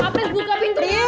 apres buka pintunya april